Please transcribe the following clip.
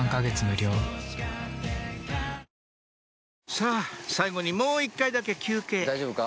さぁ最後にもう１回だけ休憩大丈夫か？